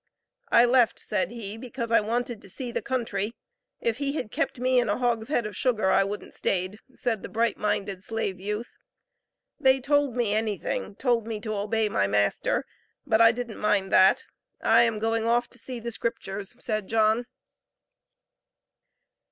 "I left," said he, "because I wanted to see the country. If he had kept me in a hogshead of sugar, I wouldn't stayed," said the bright minded slave youth. "They told me anything told me to obey my master, but I didn't mind that. I am going off to see the Scriptures," said John.